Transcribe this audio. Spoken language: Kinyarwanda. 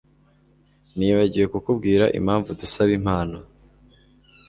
Nibagiwe kukubwira impamvu dusaba impano